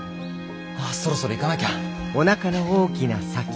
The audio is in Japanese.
そろそろ行かなきゃ。